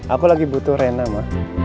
aku lagi butuh rena ma